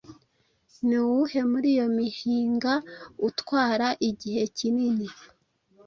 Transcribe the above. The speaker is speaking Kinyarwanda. Ni uwuhe muri iyo mihinga utwara igihe kinini